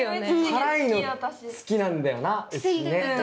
辛いの好きなんだよなうちね。